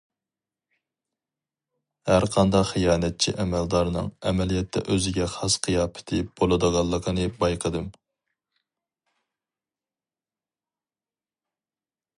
ھەرقانداق خىيانەتچى ئەمەلدارنىڭ ئەمەلىيەتتە ئۆزىگە خاس قىياپىتى بولىدىغانلىقىنى بايقىدىم.